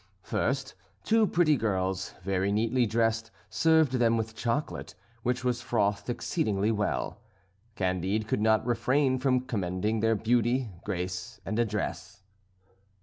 First, two pretty girls, very neatly dressed, served them with chocolate, which was frothed exceedingly well. Candide could not refrain from commending their beauty, grace, and address.